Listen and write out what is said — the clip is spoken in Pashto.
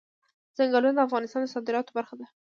ځنګلونه د افغانستان د صادراتو برخه ده.